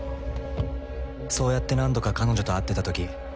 そうやって何度か彼女と会ってた時。